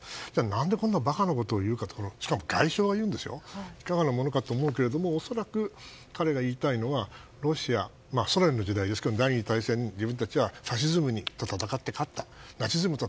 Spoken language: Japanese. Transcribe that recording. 何でこんな馬鹿なことを外相が言うかというといかがなものかと思うけど恐らく彼が言いたいのはロシア、ソ連の時代ですけど第２次世界大戦自分たちはファシズムと戦って勝ったんだと。